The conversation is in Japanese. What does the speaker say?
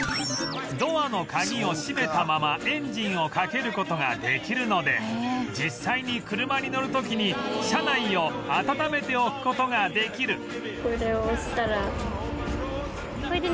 ドアの鍵を閉めたままエンジンをかける事ができるので実際に車に乗る時に車内を暖めておく事ができる